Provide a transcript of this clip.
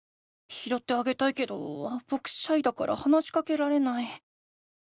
ひろってあげたいけどぼくシャイだから話しかけられない。